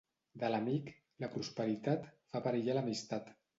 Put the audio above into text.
De l'amic, la prosperitat, fa perillar l'amistat.